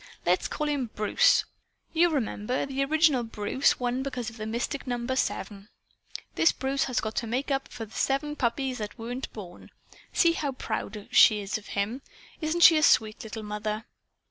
Let's call him 'Bruce.' You remember, the original Bruce won because of the mystic number, seven. This Bruce has got to make up to us for the seven puppies that weren't born. See how proud she is of him! Isn't she a sweet little mother?"